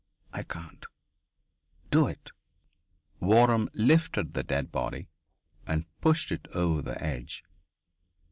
I can't. Do it " Waram lifted the dead body and pushed it over the edge.